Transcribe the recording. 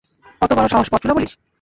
কত বড় সাহস পরচুলা বলিস?